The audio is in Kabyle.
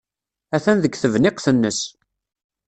Atan deg tebniqt-nnes.